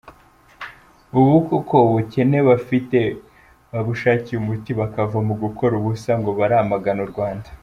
Ubu koko ubukene bafite babushakiye umuti bakava mu gukora ubusa ngo baramagana u Rwanda.